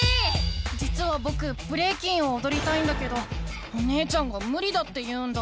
じつはぼくブレイキンをおどりたいんだけどお姉ちゃんがむりだって言うんだ。